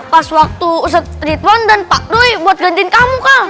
pas waktu setituan dan pak dwi buat gantiin kamu kang